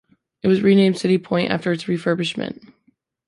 It was renamed CityPoint after its refurbishment.